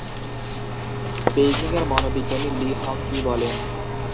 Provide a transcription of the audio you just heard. বেইজিংয়ের মনোবিজ্ঞানী Li Hong কি বলেন?